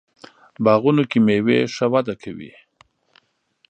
باغونو کې میوې ښه وده کوي.